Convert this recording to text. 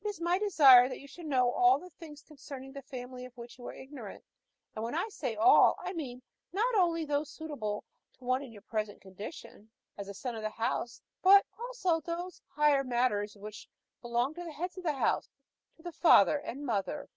It is my desire that you should know all those things concerning the family of which you are ignorant, and when I say all, I mean not only those suitable to one in your present condition, as a son of the house, but also those higher matters which belong to the heads of the house to the father and mother."